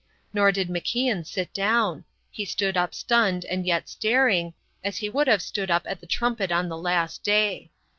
Nor did MacIan sit down; he stood up stunned and yet staring, as he would have stood up at the trumpet of the Last Day.